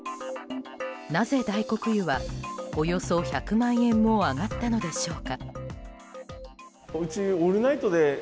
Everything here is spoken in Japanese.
なぜ大黒湯はおよそ１００万円も上がったのでしょうか。